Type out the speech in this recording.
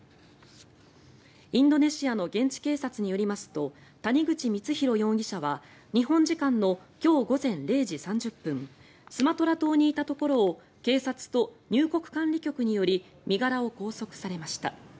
インドネシアの現地警察によりますと谷口光弘容疑者は日本時間の今日午前０時３０分スマトラ島にいたところを警察と入国管理局により身柄を拘束されました。